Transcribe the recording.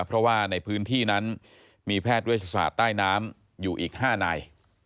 เพราะว่าในพื้นที่นั้นมีแพทย์เวชศาสตร์ใต้น้ำอยู่อีก๕นาย